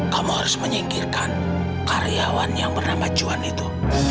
kamu harus menyingkirkan karyawan yang bernama juan itu